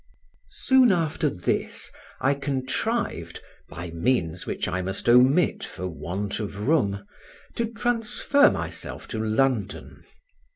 Soon after this I contrived, by means which I must omit for want of room, to transfer myself to London.